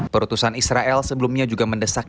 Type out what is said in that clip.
perutusan israel sebelumnya juga mendesak